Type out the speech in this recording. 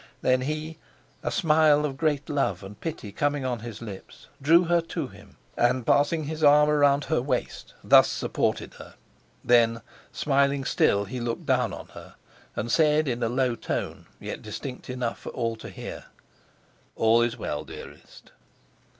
Then he, a smile of great love and pity coming on his lips, drew her to him, and passing his arm about her waist, thus supported her. Then, smiling still, he looked down on her, and said in a low tone, yet distinct enough for all to hear: "All is well, dearest."